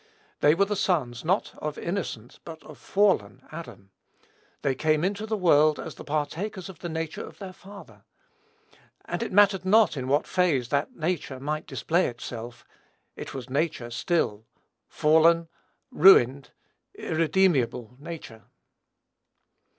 They were the sons, not of innocent, but of fallen Adam. They came into the world as the partakers of the nature of their father; and it mattered not in what phase that nature might display itself, it was nature still, fallen, ruined, irremediable nature.